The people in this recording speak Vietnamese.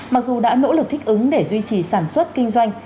mặc dù đã nỗ lực thích ứng để duy trì sản xuất kinh doanh